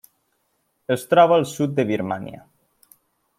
Es troba al sud de Birmània.